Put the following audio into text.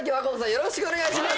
よろしくお願いします